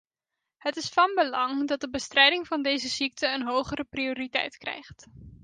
Het is van belang dat de bestrijding van deze ziekte een hogere prioriteit krijgt.